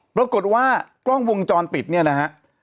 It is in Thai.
ปรากฏว่ากล้องวงจรปิดเนี่ยนะฮะ